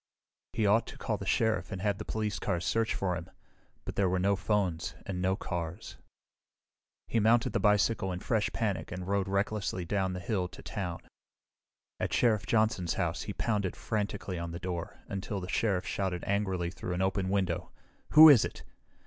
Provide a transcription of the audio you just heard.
He ought to call the Sheriff and have the police cars search for him, but there were no phones and no cars. He mounted the bicycle in fresh panic and rode recklessly down the hill to town. At Sheriff Johnson's house he pounded frantically on the door until the Sheriff shouted angrily through an open window, "Who is it?"